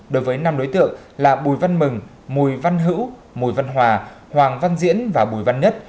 đối với năm đối tượng là bùi văn mừng mùi văn hữu mùi văn hòa hoàng văn diễn và bùi văn nhất